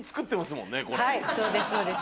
はいそうですそうです。